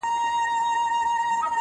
• له مکتبه رخصت سویو ماشومانو -